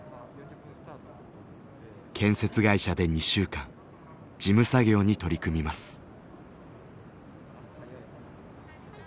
建設会社で２週間事務作業に取り組みます。